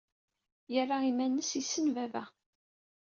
Yerra iman-nnes yessen baba.